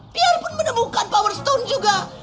biarpun menemukan power stone juga